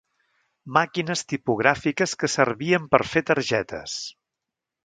Màquines tipogràfiques que servien per fer targetes.